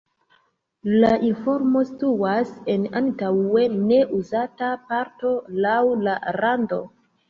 La informo situas en antaŭe ne-uzata parto laŭ la rando.